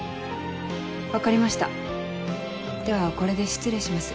分かりましたではこれで失礼します。